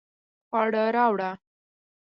خواړه راوړه